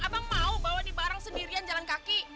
abang mau bawa di barang sendirian jalan kaki